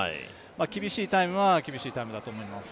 厳しいタイムは厳しいタイムだと思います。